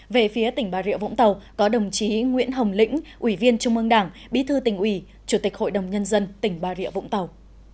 về phía tỉnh bà rịa vũng tàu có đồng chí nguyễn hồng lĩnh ủy viên trung ương đảng bí thư tỉnh ủy chủ tịch hội đồng nhân dân tỉnh bà rịa vũng tàu